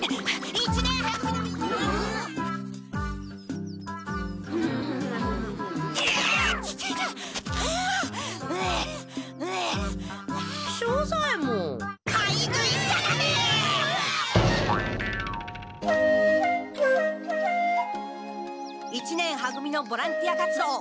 一年は組のボランティア活動しゅうりょう！